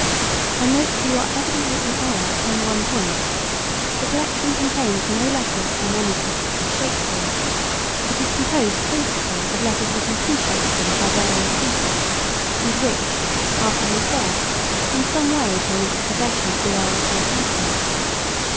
I note that you are evidently in error upon one point. The collection contains no letters or manuscripts of Shakespeare. It is composed principally of letters written to Shakespeare by various people, and which, after his death, in some way came into the possession of the Earl of Southampton.